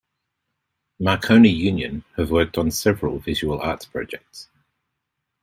Marconi Union have worked on several visual arts projects.